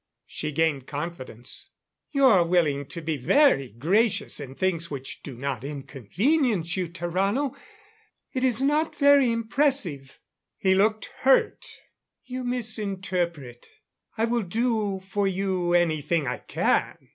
She gained confidence. "You are willing to be very gracious in things which do not inconvenience you, Tarrano. It is not very impressive." He looked hurt. "You misinterpret. I will do for you anything I can.